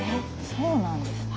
そうなんですね。